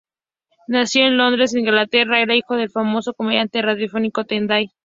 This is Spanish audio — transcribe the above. Nacido en Londres, Inglaterra, era hijo del famoso comediante radiofónico Ted Ray.